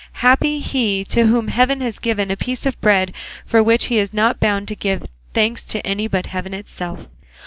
Happy he, to whom heaven has given a piece of bread for which he is not bound to give thanks to any but heaven itself!"